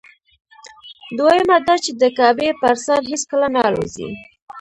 دویمه دا چې د کعبې پر سر هېڅکله نه الوزي.